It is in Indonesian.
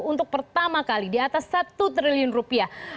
untuk pertama kali di atas satu triliun rupiah